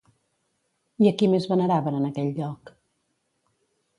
I a qui més veneraven en aquell lloc?